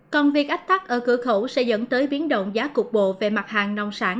còn việc ách tắc ở cửa khẩu sẽ dẫn tới biến động giá cục bộ về mặt hàng nông sản